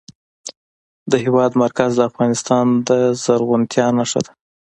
د هېواد مرکز د افغانستان د زرغونتیا نښه ده.